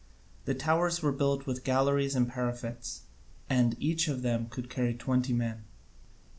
The towers were built with galleries and parapets, and each of them could carry twenty men.